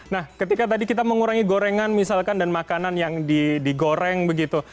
nah ketika tadi kita mengurangi gorengan misalkan dan makanan yang digoreng begitu